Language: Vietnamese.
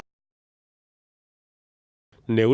nếu đất liền